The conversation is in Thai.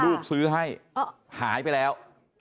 ลูกซื้อให้หายไปแล้ว